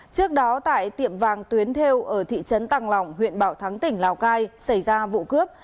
trước đó tại tiệm vàng tuyến thêu ở thị trấn tàng lỏng huyện bảo thắng tỉnh lào cai xảy ra vụ cướp